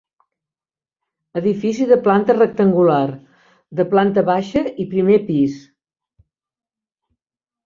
Edifici de planta rectangular, de planta baixa i primer pis.